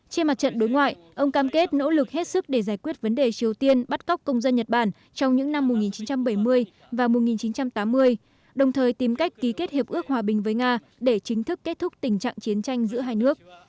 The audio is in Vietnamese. trên mặt trận đối ngoại ông cam kết nỗ lực hết sức để giải quyết vấn đề triều tiên bắt cóc công dân nhật bản trong những năm một nghìn chín trăm bảy mươi và một nghìn chín trăm tám mươi đồng thời tìm cách ký kết hiệp ước hòa bình với nga để chính thức kết thúc tình trạng chiến tranh giữa hai nước